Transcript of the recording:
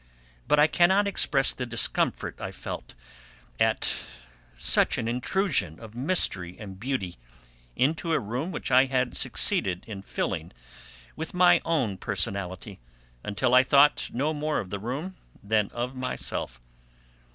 But I cannot express the discomfort I felt at such an intrusion of mystery and beauty into a room which I had succeeded in filling with my own personality until I thought no more of the room than of myself.